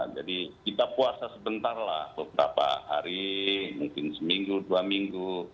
jadi kita puasa sebentar lah beberapa hari mungkin seminggu dua minggu